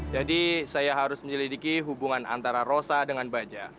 jadi saya harus menjelidiki hubungan antara rosa dengan bajah